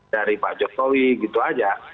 dari pak jokowi gitu aja